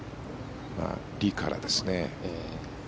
リからですね。